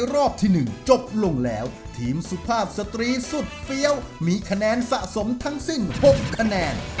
ร้องด้ายกกำลังซ่า